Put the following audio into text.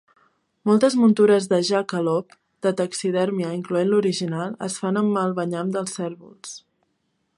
Moltes muntures de jackalope de taxidèrmia, incloent l'original, es fan amb el banyam dels cérvols.